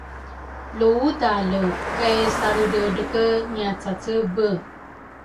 lu udale kay salredredreke ngiacacebe.